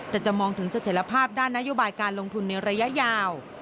แต่จะมองถึงเสถียรภาพด้านนโยบายการลงทุนในระยะยาว